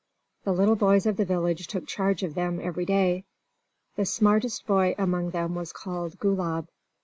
The little boys of the village took charge of them every day. The smartest boy among them was called Gulab.